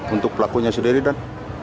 untuk pelakunya sendiri dan